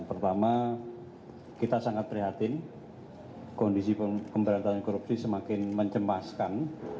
pertama kita sangat prihatin kondisi pemberantasan korupsi semakin mencemaskan